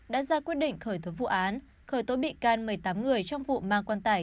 đã ra quyết định khởi tố vụ án khởi tố bị can một mươi tám người trong vụ mang quan tải